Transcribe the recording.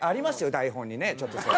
台本にねちょっとそれ。